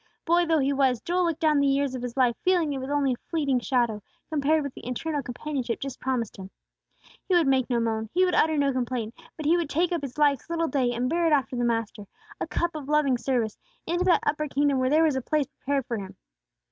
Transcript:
Boy though he was, Joel looked down the years of his life feeling it was only a fleeting shadow, compared with the eternal companionship just promised him. He would make no moan; he would utter no complaint: but he would take up his life's little day, and bear it after the Master, a cup of loving service, into that upper kingdom where there was a place prepared for him.